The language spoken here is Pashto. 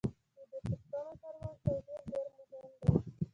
د دې پوښتنو تر منځ توپیر دېر مهم دی.